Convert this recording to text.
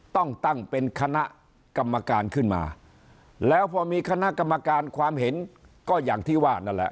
ต้องตั้งเป็นคณะกรรมการขึ้นมาแล้วพอมีคณะกรรมการความเห็นก็อย่างที่ว่านั่นแหละ